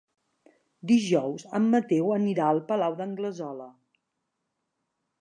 Dijous en Mateu anirà al Palau d'Anglesola.